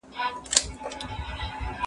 هر څوک د خپل شخصیت د خوندیتوب حق لري.